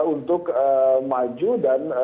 untuk maju dan